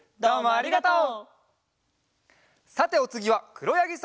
ありがとう。